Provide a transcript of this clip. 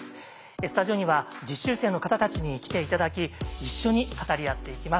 スタジオには実習生の方たちに来て頂き一緒に語り合っていきます。